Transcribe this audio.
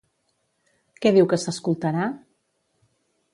Què diu que s'escoltarà?